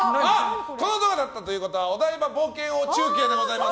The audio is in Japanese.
この音が鳴ったということはお台場冒険王中継です！